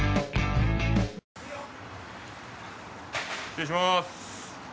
失礼します。